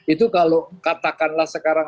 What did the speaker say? itu kalau katakanlah sekarang